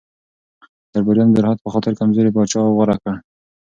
درباریانو د راحت په خاطر کمزوری پاچا غوره کړ.